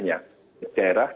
pemerintah yang di luar wilayahnya